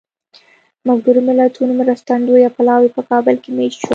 ملګرو ملتونو مرستندویه پلاوی په کابل کې مېشت شول.